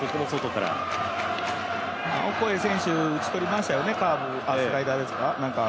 オコエ選手、打ち取りましたよね、スライダーですか。